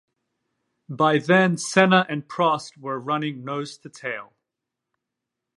By then, Senna and Prost were running nose-to-tail.